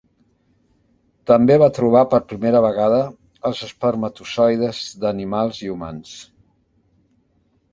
També va trobar per primera vegada els espermatozoides d'animals i humans.